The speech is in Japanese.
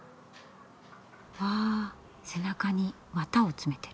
わあ背中に綿を詰めてる。